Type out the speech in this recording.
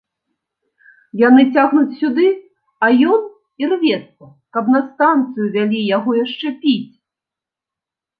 Яны цягнуць сюды, а ён ірвецца, каб на станцыю вялі яго яшчэ піць.